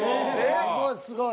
すごいすごい。